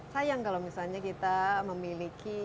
sayang kalau misalnya kita memiliki